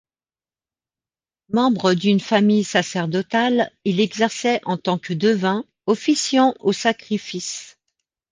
Membre d'une famille sacerdotale, il exerçait en tant que devin, officiant aux sacrifices.